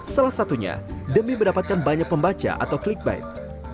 salah satunya demi mendapatkan banyak pembaca atau clickbait